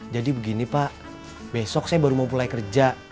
jadi begini pak besok saya baru mau mulai kerja